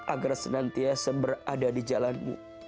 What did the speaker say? agar senantiasa berada di jalan mu